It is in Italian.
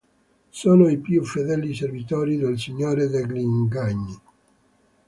Sono i più fedeli servitori del Signore degli Inganni.